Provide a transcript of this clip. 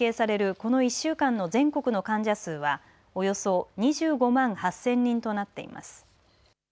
この１週間の全国の患者数はおよそ２５万８０００人となっています。